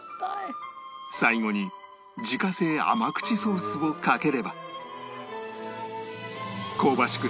最後に自家製甘口ソースをかければ香ばしく